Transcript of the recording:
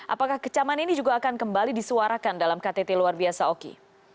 apakah kecaman ini juga akan kembali disuarakan dalam ktt luar biasa oki